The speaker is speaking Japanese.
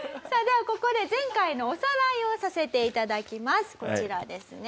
さあではここで前回のおさらいをさせて頂きます。